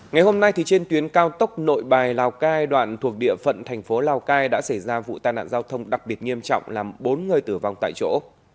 ngày hôm nay trên tuyến cao tốc nội bài lào cai đoạn thuộc địa phận thành phố lào cai đã xảy ra vụ tai nạn giao thông đặc biệt nghiêm trọng làm bốn người tử vong tại chỗ